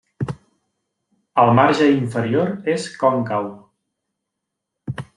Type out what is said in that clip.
El marge inferior és còncau.